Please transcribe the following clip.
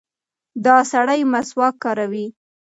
دا سړی مسواک کاروي.